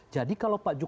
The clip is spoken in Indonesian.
jadi kalau pak jokowi